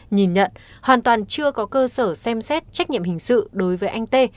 nhìn nhận hoàn toàn chưa có cơ sở xem xét trách nhiệm hình sự đối với anh tê